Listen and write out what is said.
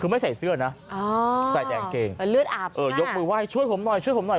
ไม่ใส่เสื้อนะใส่แดงเกงช่วยผมหน่อยช่วยผมหน่อย